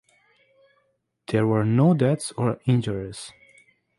There were no deaths or injuries.